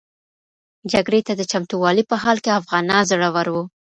جګړې ته د چمتووالي په حال کې افغانان زړور و.